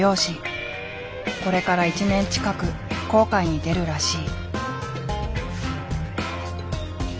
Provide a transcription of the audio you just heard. これから１年近く航海に出るらしい。